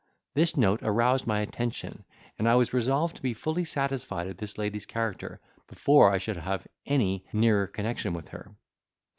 This note aroused my attention, and I was resolved to be fully satisfied of this lady's character, before I should have any nearer connection with her.